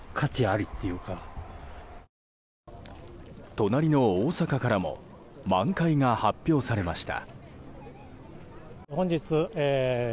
隣の大阪からも満開が発表されました。